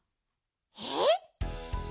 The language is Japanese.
えっ？